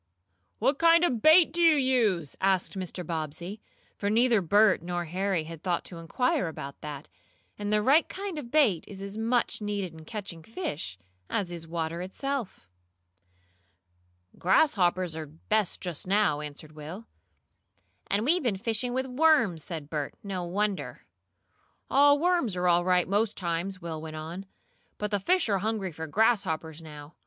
"What kind of bait do you use?" asked Mr. Bobbsey, for neither Bert nor Harry had thought to inquire about that, and the right kind of bait is as much needed in catching fish, as is water itself. "Grasshoppers are best just now," answered Will. "And we've been fishing with worms!" said Bert. "No wonder!" "Oh, worms are all right most times," Will went on. "But the fish are hungry for grasshoppers now.